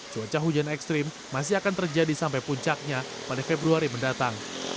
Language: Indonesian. cuaca hujan ekstrim masih akan terjadi sampai puncaknya pada februari mendatang